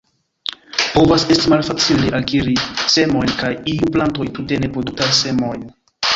Povas esti malfacile akiri semojn, kaj iuj plantoj tute ne produktas semojn.